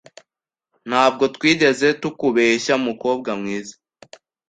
Ntabwo twigeze tukubeshya, mukobwa mwiza